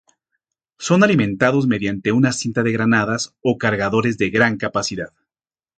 Son alimentados mediante una cinta de granadas o cargadores de gran capacidad.